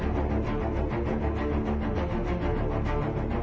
ก็ให้ดีในวัตถาระเวทที่คุณผู้ชมความรู้สึก